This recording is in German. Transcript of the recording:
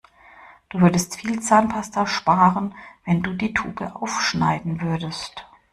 Du würdest viel Zahnpasta sparen, wenn du die Tube aufschneiden würdest.